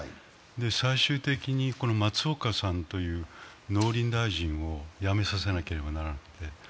最終的に松岡さんという農林大臣を辞めさせなければならなくて。